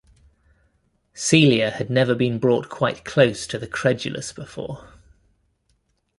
Celia had never been brought quite close to the credulous before.